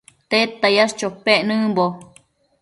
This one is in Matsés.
¿Tedta yash chopec nëmbo ?